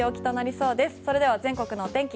それでは全国のお天気